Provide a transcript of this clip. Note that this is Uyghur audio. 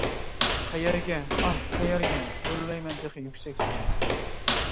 قەيەرگە، ئاھ قەيەرگە؟ ئۆرلەيمەن تېخىمۇ يۈكسەككە!